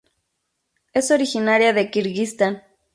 Es originaria de Kirguistán.